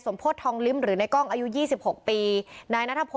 สวัสดีครับ